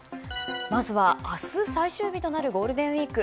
まずは明日、最終日となるゴールデンウィーク。